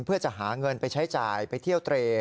เพื่อจะหาเงินไปใช้จ่ายไปเที่ยวเตร